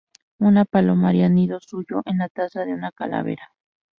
Una paloma haría nido suyo en la taza de una calavera.